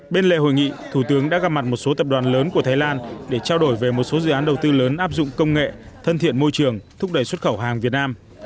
bên lề hội nghị thủ tướng đã gặp mặt một số tập đoàn lớn của thái lan để trao đổi về một số dự án đầu tư lớn áp dụng công nghệ thân thiện môi trường thúc đẩy xuất khẩu hàng việt nam